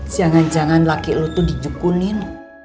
jangan jangan laki lo tuh dijukunin